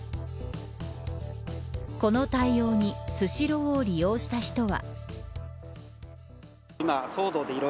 この対応にスシローを利用した人は。